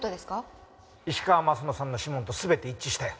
石川鱒乃さんの指紋と全て一致したよ。